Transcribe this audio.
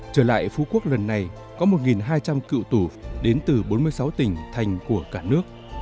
trở lại phú quốc lần này có một hai trăm linh cựu tù đến từ bốn mươi sáu tỉnh thành của cả nước